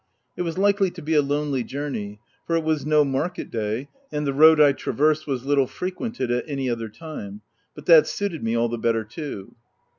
It was likely to be a lonely journey ; for it was no market day, and the road I tra versed was little frequented at any other time ; but that suited me all the better too.